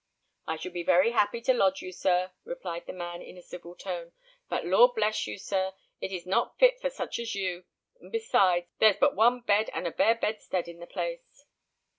"I should be very happy to lodge you, sir," replied the man, in a civil tone; "but, Lord bless you, sir! it is not fit for such as you; and besides, there's but one bed and a bare bedstead in the place."